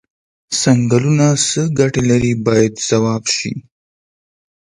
څنګلونه څه ګټې لري باید ځواب شي.